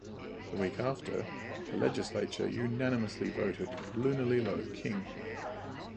The week after, the legislature unanimously voted Lunalilo king.